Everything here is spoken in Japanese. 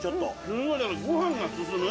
すごいだからご飯が進む。